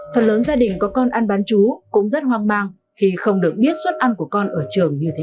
phần lớn gia đình có con ăn bán chú cũng rất hoang mang khi không được biết suất ăn của con ở trường như thế nào